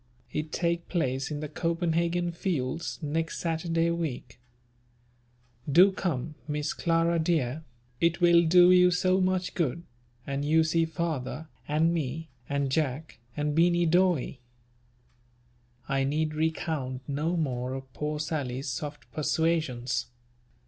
It take place in the copandhagen fields, next Saturday week. Do come, Miss Clara dear, it will do you so much good, and you see father, and me, and Jack, and Beany Dawe." I need recount no more of poor Sally's soft persuasions.